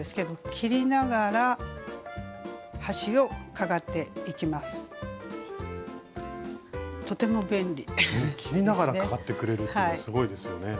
切りながらかがってくれるっていうのはすごいですよね。